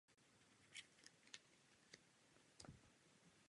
Bubnové postavili zámek v Žamberku a později tam byla přemístěna správa panství.